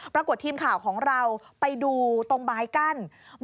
ปรากฏทีมข่าวของเราไปดูตรงไม้กั้น